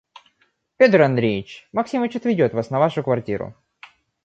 Петр Андреич, Максимыч отведет вас на вашу квартиру.